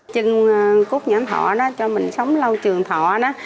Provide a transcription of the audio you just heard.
chừng cúc vạn thọ đó cho mình sống lâu trường thọ đó